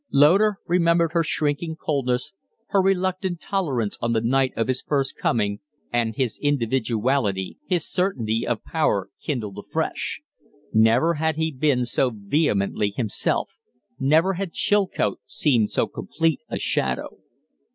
Loder remembered her shrinking coldness, her reluctant tolerance on the night of his first coming, and his individuality, his certainty of power, kindled afresh. Never had he been so vehemently himself; never had Chilcote seemed so complete a shadow.